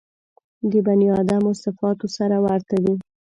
د بني ادمانو صفاتو سره ورته دي.